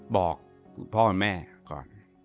บอกพ่อแม่ก่อน